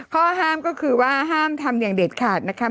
ข้อห้ามก็คือว่าห้ามทำอย่างเด็ดขาดนะคะ